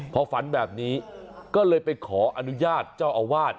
พอฝันแบบนี้ก็เลยไปขออนุญาตเจ้าอาวาส